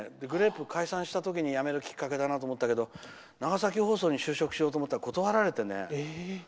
グレープ解散したときがやめるきっかけだなと思ったけど長崎放送に就職しようと思ったら断られてね。